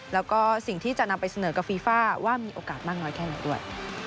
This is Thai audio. แล้วก็สิ่งที่จะนำไปเสนอกับฟีฟ่าว่ามีโอกาสมากน้อยแค่ไหนด้วย